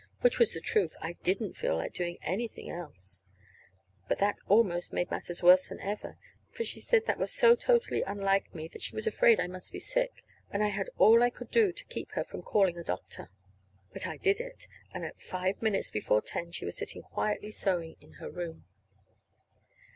(Which was the truth I didn't feel like doing anything else!) But that almost made matters worse than ever, for she said that was so totally unlike me that she was afraid I must be sick; and I had all I could do to keep her from calling a doctor. [Illustration: THEN I TOLD HIM MY IDEA] But I did it; and at five minutes before ten she was sitting quietly sewing in her own room.